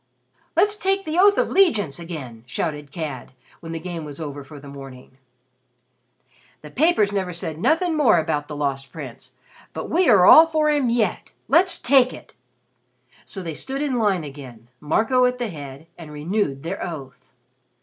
"Let's take the oath of 'legiance again," shouted Cad, when the Game was over for the morning. "The papers never said nothin' more about the Lost Prince, but we are all for him yet! Let's take it!" So they stood in line again, Marco at the head, and renewed their oath.